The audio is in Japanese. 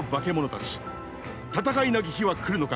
戦いなき日は来るのか。